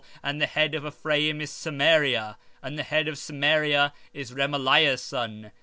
17:9 And the head of Ephraim is Samaria, and the head of Samaria is Remaliah's son.